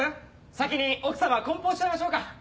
先に奥様梱包しちゃいましょうか。